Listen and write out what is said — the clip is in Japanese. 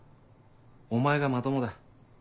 お前がまともだ。